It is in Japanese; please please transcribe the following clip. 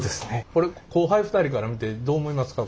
これ後輩２人から見てどう思いますか？